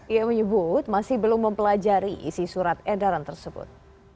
ia menyebut masih belum mempelajari isi surat edaran tersebut